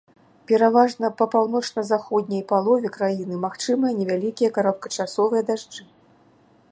Пераважна па паўночна-заходняй палове краіны магчымыя невялікія кароткачасовыя дажджы.